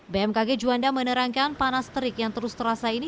bmkg juanda menerangkan panas terik yang terus terasa ini